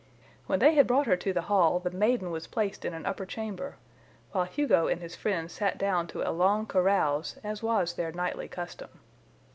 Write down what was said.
When they had brought her to the Hall the maiden was placed in an upper chamber, while Hugo and his friends sat down to a long carouse, as was their nightly custom.